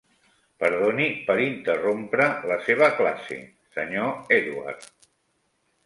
Perdoni per interrompre la seva classe, senyor Edward.